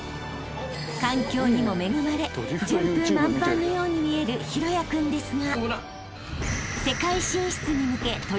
［環境にも恵まれ順風満帆のように見える大也君ですが］